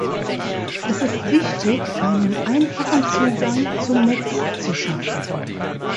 Es ist wichtig, einen einfachen Zugang zum Netz zu schaffen.